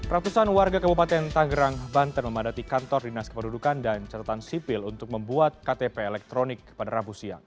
ratusan warga kabupaten tanggerang banten memadati kantor dinas kependudukan dan catatan sipil untuk membuat ktp elektronik pada rabu siang